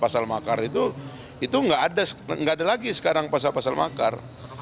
pasal makar itu itu nggak ada lagi sekarang pasal pasal makar